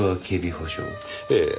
ええ。